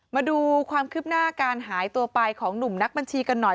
มาดูความคืบหน้าการหายตัวไปของหนุ่มนักบัญชีกันหน่อย